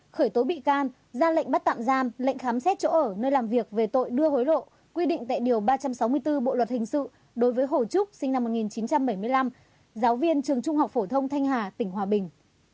khởi tố bị can ra lệnh bắt tạm giam lệnh khám xét chỗ ở nơi làm việc về tội đưa hối lộ quy định tại điều ba trăm sáu mươi bốn bộ luật hình sự đối với hồ trúc sinh năm một nghìn chín trăm bảy mươi năm giáo viên trường trung học phổ thông thanh hà tỉnh hòa bình